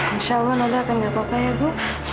masya allah nanda akan gak apa apa ya ibu